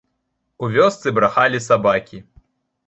У вёсцы брахалі сабакі.